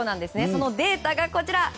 そのデータがこちら。